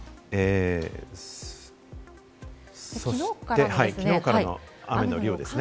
そしてきのうからの雨の量ですね。